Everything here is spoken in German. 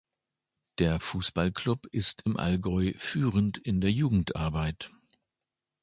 Der Fußballclub ist im Allgäu führend in der Jugendarbeit.